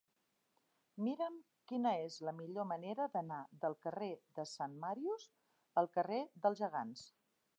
Mira'm quina és la millor manera d'anar del carrer de Sant Màrius al carrer dels Gegants.